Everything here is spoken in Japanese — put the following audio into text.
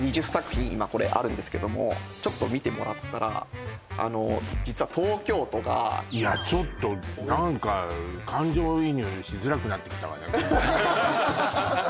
今これあるんですけどもちょっと見てもらったらあの実は東京都がいやちょっと何か感情移入しづらくなってきたわねハハハ